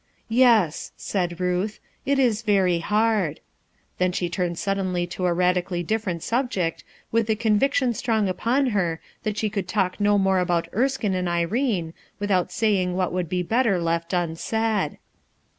"Yes/ 1 said Ruth, "it is very hard." Then she turned suddenly to a radically diiferent subject, with the conviction strong upon her that she could talk no more about Erskine and Irene without saying what would be better left unsaid.